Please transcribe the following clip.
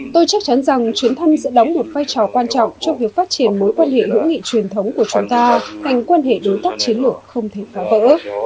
tôi chắc chắn rằng chuyến thăm sẽ đóng một vai trò quan trọng trong việc phát triển mối quan hệ hữu nghị truyền thống của chúng ta thành quan hệ đối tác chiến lược không thể phá vỡ